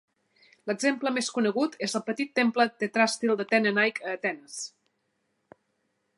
L'exemple més conegut és el petit temple tetràstil d'Atena Nike a Atenes.